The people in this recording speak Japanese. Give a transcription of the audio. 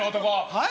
はい？